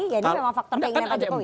jadi memang faktor keinginan pak jokowi